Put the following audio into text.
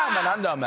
お前。